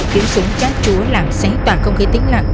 tiếng súng chát chúa làm sấy tạc công khí tĩnh lặng